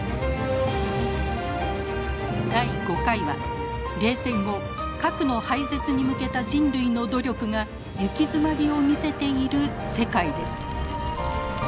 第５回は冷戦後核の廃絶に向けた人類の努力が行き詰まりを見せている世界です。